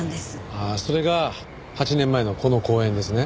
ああそれが８年前のこの公演ですね？